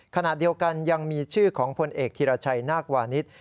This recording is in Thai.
ขณะเดียวกันยังมีชื่อของพลเอกธีรชัยนาควานิส